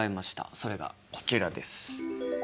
それがこちらです。